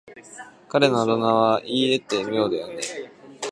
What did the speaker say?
彼のあだ名は言い得て妙だよね。